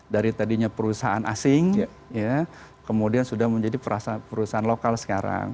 dari tadinya perusahaan asing kemudian sudah menjadi perusahaan lokal sekarang